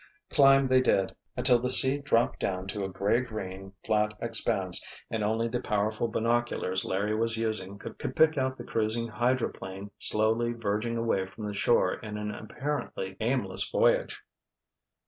Climb they did, until the sea dropped down to a gray green, flat expanse and only the powerful binoculars Larry was using could pick out the cruising hydroplane slowly verging away from the shore in an apparently aimless voyage.